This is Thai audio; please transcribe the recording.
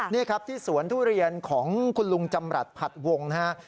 นี่ครับที่สวนทุเรียนของคุณลุงจำรัฐผัดวงนะฮะ